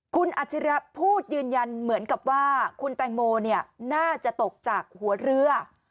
คุณอัจฉริยะพูดยืนยันเหมือนกับว่าคุณแตงโมน่าจะตกจากหัวเรือ